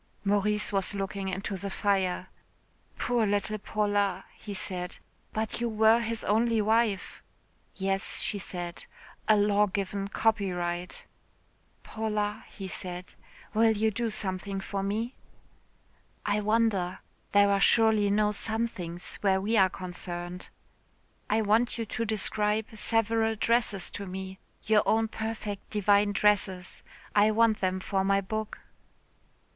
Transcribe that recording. '" Maurice was looking into the fire. "Poor little Paula," he said. "But you were his only wife." "Yes," she said, "a law given copyright." "Paula," he said, "will you do something for me?" "I wonder. There are surely no somethings where we are concerned." "I want you to describe several dresses to me. Your own perfect divine dresses. I want them for my book."